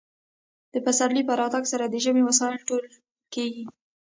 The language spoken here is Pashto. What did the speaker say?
د پسرلي په راتګ سره د ژمي وسایل ټول کیږي